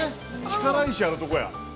◆力石があるところや。